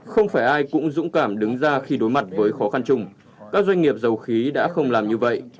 không phải ai cũng dũng cảm đứng ra khi đối mặt với khó khăn chung các doanh nghiệp dầu khí đã không làm như vậy